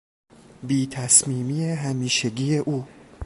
بیتصمیمی همیشگی او